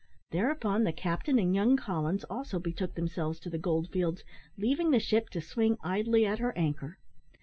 Thereupon the captain and young Collins also betook themselves to the gold fields, leaving the ship to swing idly at her anchor.